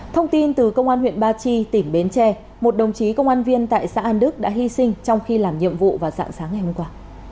thông tin từ công an huyện ba chi tỉnh bến tre một đồng chí công an viên tại xã an đức đã hy sinh trong khi làm nhiệm vụ vào dạng sáng ngày hôm qua